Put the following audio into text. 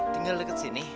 tinggal deket sini